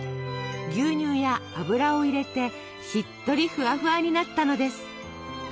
牛乳や油を入れてしっとりフワフワになったのです。